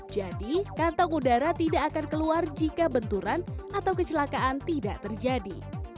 jadi kantong udara tidak akan keluar jika benturan atau kecelakaan tidak terjadi